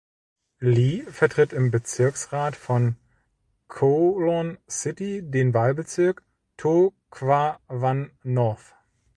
Lee vertritt im Bezirksrat von Kowloon City den Wahlbezirk "To Kwa Wan North".